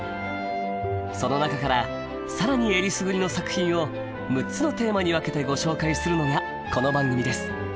その中から更にえりすぐりの作品を６つのテーマに分けてご紹介するのがこの番組です。